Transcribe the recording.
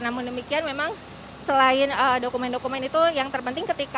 namun demikian memang selain dokumen dokumen itu yang terpenting ketika